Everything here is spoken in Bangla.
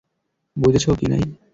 বুঝেছ, কিনাই?